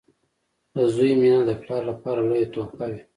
• د زوی مینه د پلار لپاره لویه تحفه وي.